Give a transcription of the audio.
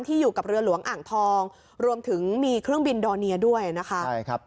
อยู่กับเรือหลวงอ่างทองรวมถึงมีเครื่องบินดอร์เนียด้วยนะคะใช่ครับ